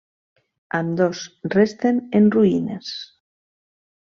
Ambdós resten en ruïnes.